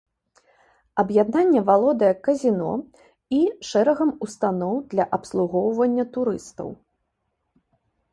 Аб'яднанне валодае казіно і шэрагам устаноў для абслугоўвання турыстаў.